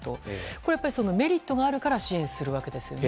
これはメリットがあるから支援するわけですよね。